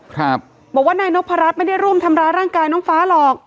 ครับบอกว่านายนพรัชไม่ได้ร่วมทำร้ายร่างกายน้องฟ้าหรอก